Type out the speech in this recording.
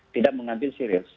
tidak mengambil serius